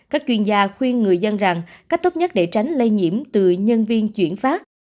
các chuyên gia khuyên người dân rằng cách tốt nhất để tránh lây nhiễm từ nhân viên chuyển phát